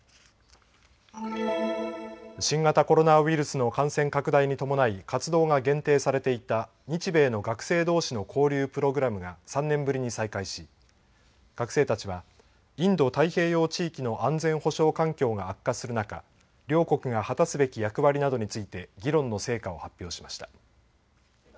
新型コロナウイルスの感染拡大に伴い活動が限定されていた日米の学生どうしの交流プログラムが３年ぶりに再開し学生たちはインド太平洋地域の安全保障環境が悪化する中、両国が果たすべき役割などについて議論の成果を発表しました。